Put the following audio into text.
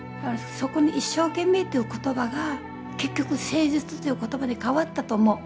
一生懸命という言葉が結局誠実という言葉に変わったと思う。